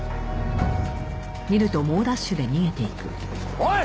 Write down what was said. おい！